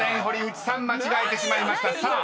堀内さん間違えてしまいました］